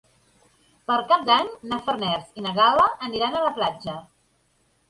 Per Cap d'Any na Farners i na Gal·la aniran a la platja.